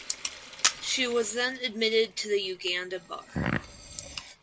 She was then admitted to the Uganda Bar.